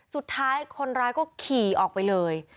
สุดท้ายคนร้ายก็ขี่ออกไปเลย